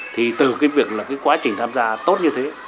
thì từ cái việc là cái quá trình tham gia tốt như thế